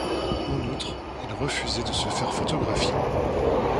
En outre, il refusait de se faire photographier.